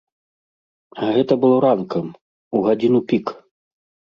А гэта было ранкам, у гадзіну пік.